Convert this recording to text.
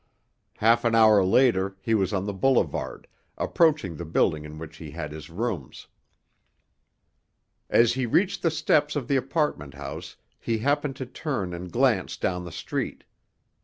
Half an hour later he was on the boulevard, approaching the building in which he had his rooms. As he reached the steps of the apartment house he happened to turn and glance down the street.